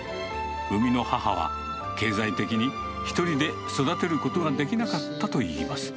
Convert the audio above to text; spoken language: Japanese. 生みの母は、経済的に１人で育てることができなかったといいます。